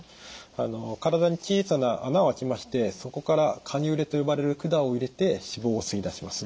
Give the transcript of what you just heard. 体に小さな孔をあけましてそこからカニューレと呼ばれる管を入れて脂肪を吸い出します。